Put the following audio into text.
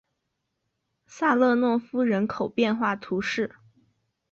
萨勒诺夫人口变化图示